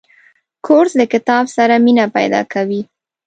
کورس د کتاب سره مینه پیدا کوي.